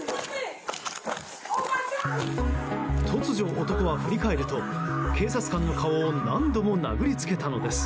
突如、男は振り返ると警察官の顔を何度も殴りつけたのです。